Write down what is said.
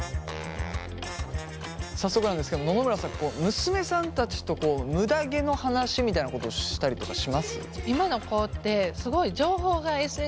早速なんですけど野々村さん娘さんたちとむだ毛の話みたいなことしたりとかします？